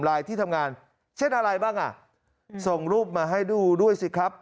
ที่ทำงานเช่นอะไรบ้างอ่ะส่งรูปมาให้ดูด้วยสิครับ